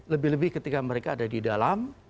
lebih lebih ketika mereka ada di dalam